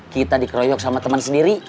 kita dikeroyok sama teman sendiri